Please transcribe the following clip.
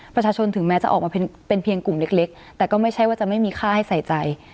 ถึงแม้จะออกมาเป็นเพียงกลุ่มเล็กแต่ก็ไม่ใช่ว่าจะไม่มีค่าให้ใส่ใจ